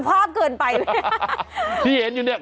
อ่าเป็นหลูหิต